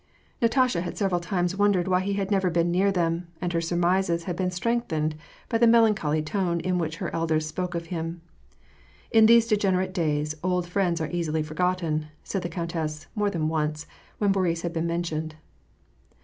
Natasha had several times wondered why he had never been near them, and her surmises had been strengthened by the melancholy tone in which her elders spoke of him. '^In these degenerate days, old friends are easily forgotten," said the countess, more than once, when Boris had been men tioned.